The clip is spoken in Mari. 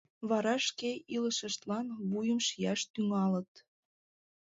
Вара шке илышыштлан вуйым шияш тӱҥалыт.